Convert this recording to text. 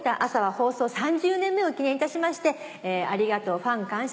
放送３０年目を記念いたしましてありがとうファン感謝